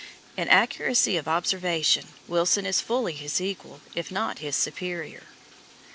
In accuracy of observation, Wilson is fully his equal, if not his superior.